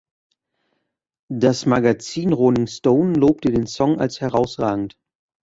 Das Magazin "Rolling Stone" lobte den Song als herausragend.